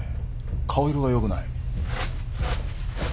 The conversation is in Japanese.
顔色がよくない。